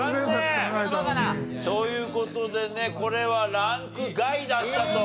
という事でねこれはランク外だったと。